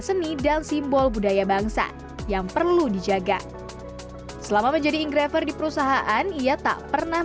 seni dan simbol budaya bangsa yang perlu dijaga selama menjadi ingraver di perusahaan ia tak pernah